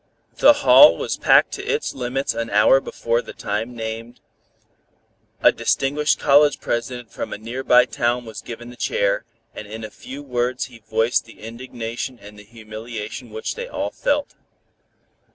The hall was packed to its limits an hour before the time named. A distinguished college president from a nearby town was given the chair, and in a few words he voiced the indignation and the humiliation which they all felt.